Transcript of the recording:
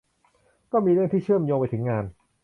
ก็มีเรื่องที่เชื่อมโยงไปถึงงาน